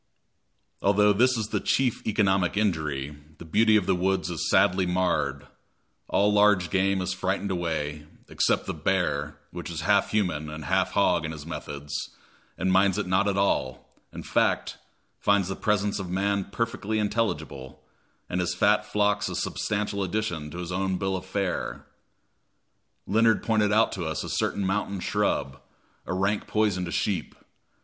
Although this is the chief economic injury, the beauty of the woods is sadly marred; all large game is frightened away, except the bear, which is half human and half hog in his methods, and minds it not at all in fact, finds the presence of man perfectly intelligible, and his fat flocks a substantial addition to his own bill of fare. Leonard pointed out to us a certain mountain shrub, a rank poison to sheep.